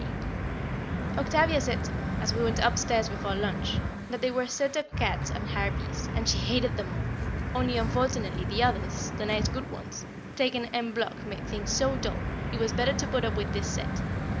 [Sidenote: Octavia's Philosophy] Octavia said to me, as we went upstairs before lunch, that they were a set of cats and harpies, and she hated them all, only unfortunately the others the nice good ones taken en bloc made things so dull, it was better to put up with this set.